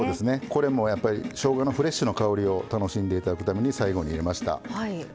これもしょうがのフレッシュな香りを楽しんでいただくために最後に入れました。